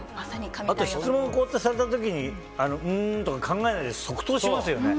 あと、質問をされた時にんーとか考えないで、即答しますよね。